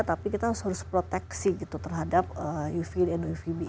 tapi kita harus proteksi gitu terhadap uva dan uvb itu